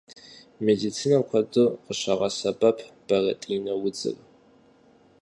Медицинэм куэду къыщагъэсэбэп бэрэтӏинэ удзыр.